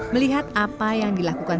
melihat apa yang dilakukan